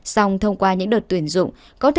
xong thông qua những đợt tuyển dụng